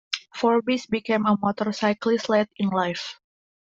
Forbes became a motorcyclist late in life.